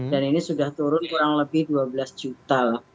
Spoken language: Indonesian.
dan ini sudah turun kurang lebih rp dua belas